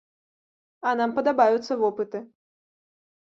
А нам падабаюцца вопыты!